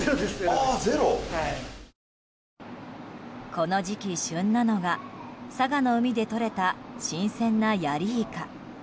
この時期旬なのが佐賀の海でとれた新鮮なヤリイカ。